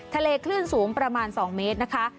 คลื่นสูงประมาณ๒เมตรนะคะ